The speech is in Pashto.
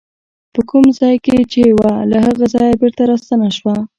په کوم ځای کې چې وه له هغه ځایه بېرته راستنه شوه.